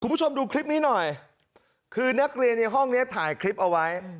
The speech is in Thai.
คุณผู้ชมดูคลิปนี้หน่อยคือนักเรียนในห้องเนี้ยถ่ายคลิปเอาไว้